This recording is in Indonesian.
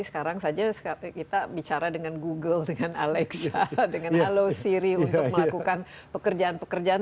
sekarang saja kita bicara dengan google dengan alexa dengan halo siri untuk melakukan pekerjaan pekerjaan